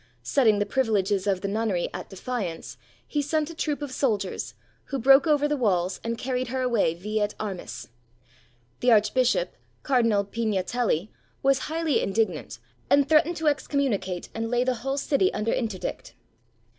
Setting the privileges of the nunnery at defiance, he sent a troop of soldiers, who broke over the walls, and carried her away vi et armis. The archbishop, Cardinal Pignatelli, was highly indignant, and threatened to excommunicate and lay the whole city under interdict.